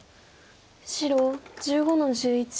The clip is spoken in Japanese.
白１５の十一。